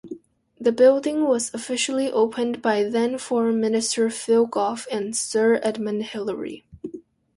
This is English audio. The building was officially opened by then-Foreign Minister Phil Goff and Sir Edmund Hillary.